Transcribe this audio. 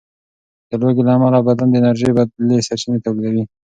د لوږې له امله بدن د انرژۍ بدیلې سرچینې تولیدوي.